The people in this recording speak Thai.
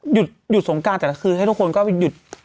หยุดสงการแต่ละคืนให้ทุกคนก็หยุด